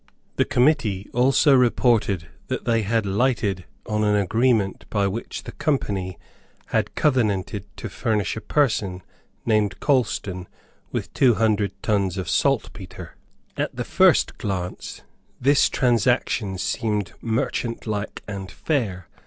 The committee also reported that they had lighted on an agreement by which the Company had covenanted to furnish a person named Colston with two hundred tons of saltpetre. At the first glance, this transaction seemed merchantlike and fair.